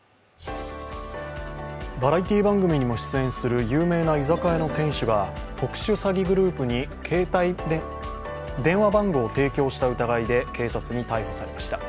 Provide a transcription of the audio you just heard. バラエティー番組にも出演する、有名な居酒屋の店主が特殊詐欺グループに電話番号を提供した疑いで警察に逮捕されました。